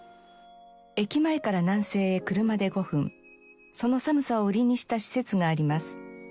駅前から南西へ車で５分その寒さを売りにした施設があります。